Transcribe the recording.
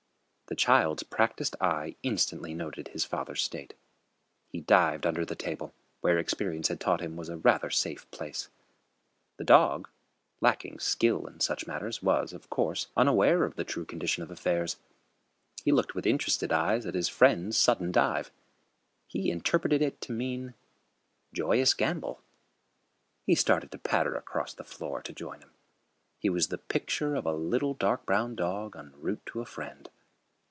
The child's practised eye instantly noted his father's state. He dived under the table, where experience had taught him was a rather safe place. The dog, lacking skill in such matters, was, of course, unaware of the true condition of affairs. He looked with interested eyes at his friend's sudden dive. He interpreted it to mean: Joyous gambol. He started to patter across the floor to join him. He was the picture of a little dark brown dog en route to a friend.